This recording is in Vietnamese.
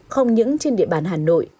không những trên địa bàn hà nội